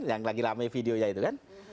yang lagi rame videonya itu kan